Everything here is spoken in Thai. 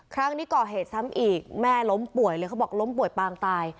ครั้งนี้ก่อเหตุซ้ำอีกแม่ล้มป่วยเลยเขาบอกล้มป่วยปางตาย